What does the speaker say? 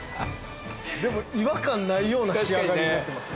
でも違和感ないような仕上がりになってます。